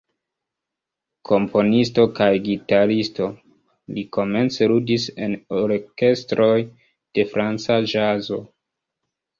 Komponisto kaj gitaristo, li komence ludis en orkestroj de franca ĵazo.